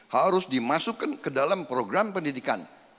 harus dimasukkan ke dalam program pendidikan